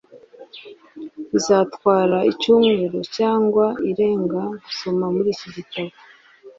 Bizatwara icyumweru cyangwa irenga gusoma muri iki gitabo.